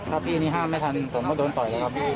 ถ้าพี่นี่ห้ามไม่ทันผมก็โดนต่อยเลยครับพี่